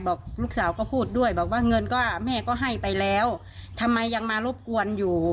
บอกลูกสาวก็พูดด้วยบอกว่าเงินก็แม่ก็ให้ไปแล้วทำไมยังมารบกวนอยู่